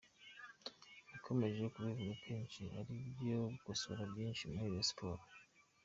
Nakomeje kubivuga kenshi hari ibyo gukosora byinshi muri Rayon Sports.